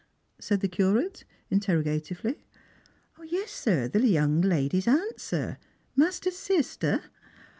" said the Curate interrogatively. •' Yes, sir — the yonng ladies' aunt, sir — master's sister